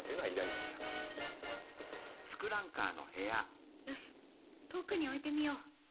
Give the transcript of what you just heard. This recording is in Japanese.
すごい！よし遠くに置いてみよう。